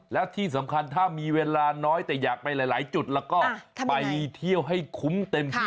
แล้วที่สำคัญถ้ามีเวลาน้อยแต่อยากไปหลายจุดแล้วก็ไปเที่ยวให้คุ้มเต็มที่